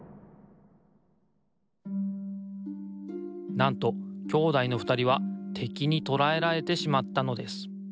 なんと兄弟のふたりはてきにとらえられてしまったのです。